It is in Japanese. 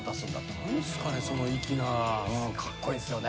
何ですかねその粋な。